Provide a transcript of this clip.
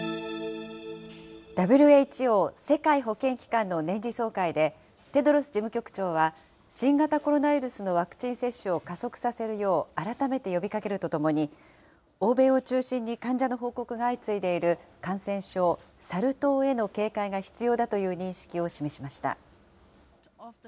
ＷＨＯ・世界保健機関の年次総会で、テドロス事務局長は新型コロナウイルスのワクチン接種を加速させるよう改めて呼びかけるとともに、欧米を中心に患者の報告が相次いでいる感染症、サル痘への警戒が必要だという認識を示しました。